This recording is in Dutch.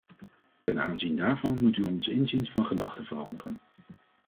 Ten aanzien daarvan moet u ons inziens van gedachten veranderen.